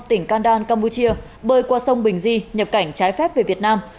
tỉnh can đan campuchia bơi qua sông bình di nhập cảnh trái phép về việt nam